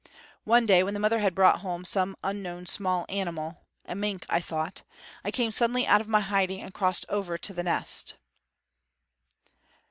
One day when the mother had brought home some unknown small animal a mink, I thought I came suddenly out of my hiding and crossed over to the nest.